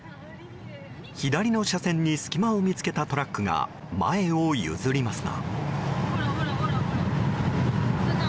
左の車線に隙間を見つけたトラックが前を譲りますが。